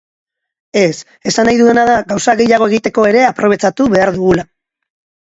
Ez, esan nahi dudana da gauza gehiago egiteko ere aprobetxatu behar dugula.